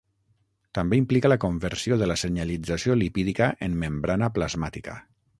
També implica la conversió de la senyalització lipídica en membrana plasmàtica.